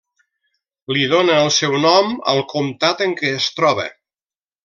Li dóna el seu nom al comtat en què es troba.